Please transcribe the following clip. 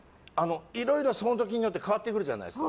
いろいろ、その時によって変わってくるじゃないですか。